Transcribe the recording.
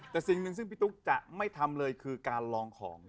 แต่สิ่งหนึ่งซึ่งพี่ตุ๊กจะไม่ทำเลยคือการลองของ